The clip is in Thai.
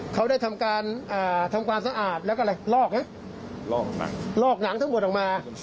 เขาได้ทำการสะอาดแล้วก็อะไรลอกเนี่ยลอกหนังทั้งหมดออกมา